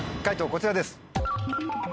こちらです。